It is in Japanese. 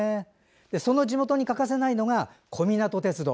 その地元に欠かせないのが小湊鐵道。